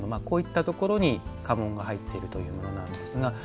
こういったところに家紋が入っているというものなんですが。